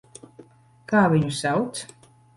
Kā viņu sauc?